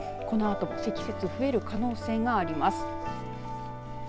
このあと積雪増える可能性があります。